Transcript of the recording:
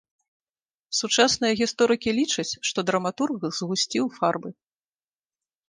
Сучасныя гісторыкі лічаць, што драматург згусціў фарбы.